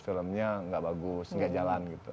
filmnya nggak bagus nggak jalan gitu